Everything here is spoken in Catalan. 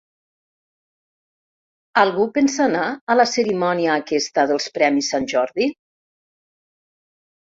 Algú pensa anar a la cerimònia aquesta dels premis sant Jordi?